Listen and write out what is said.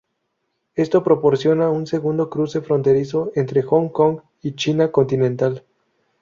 Esto proporciona un segundo cruce fronterizo entre Hong Kong y China continental.